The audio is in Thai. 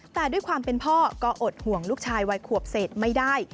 แต่ด้วยความเป็นพ่อก็อดห่วงลูกชายวัยขวบเศษไม่ได้